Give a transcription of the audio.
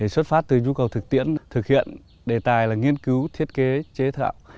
xuất phát từ nhu cầu thực tiễn thực hiện đề tài là nghiên cứu thiết kế chế tạo